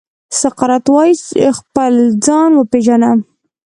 سقراط وايي چې خپل ځان وپېژنه.